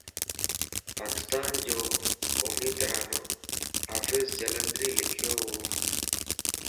پاڪستانَ جو قومي ترانو حفيظ جالندھريءَ لکيووَ